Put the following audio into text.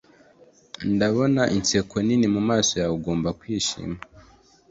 Ndabona inseko nini mumaso yawe Ugomba kwishima